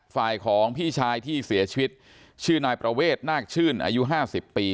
ฝ่ายของพี่ชายที่เสียชีวิตชื่อนายประเวทนาคชื่นอายุ๕๐ปี